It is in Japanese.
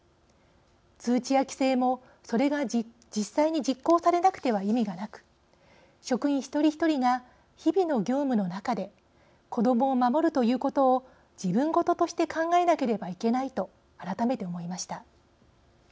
通知や規制もそれが実際に実行されなくては意味がなく職員一人一人が日々の業務の中で子どもを守るということを自分事として考えなければいけないと改めて思いました。